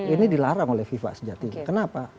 ini dilarang oleh fifa sejatinya kenapa